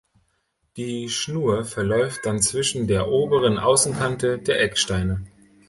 Die Schnur verläuft dann zwischen der oberen Außenkante der Ecksteine.